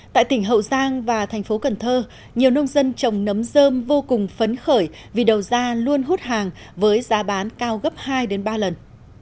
tại tỉnh hậu giang và thành phố cần thơ nhiều nông dân trồng nấm dơm vô cùng phấn khởi vì đầu ra luôn hút hàng với giá bán cao gấp hai ba lần